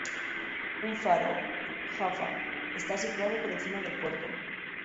Un faro, Jaffa, está situado por encima del puerto.